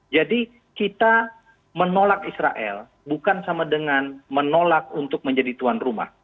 jadi kita menolak israel bukan sama dengan menolak untuk menjadi tuan rumah